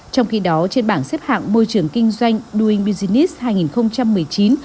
trong khi đó trên bảng xếp hạng môi trường kinh doanh doing business hai nghìn một mươi chín